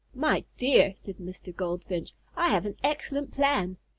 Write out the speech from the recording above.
"My dear," said Mr. Goldfinch, "I have an excellent plan.